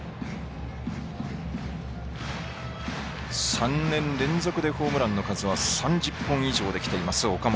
３年連続でホームランの数は３０本以上できています、岡本。